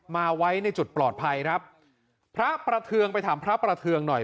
มาไว้ในจุดปลอดภัยครับพระประเทืองไปถามพระประเทืองหน่อย